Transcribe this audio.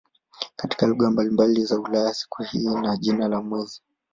Katika lugha mbalimbali za Ulaya siku hii ina jina la "mwezi".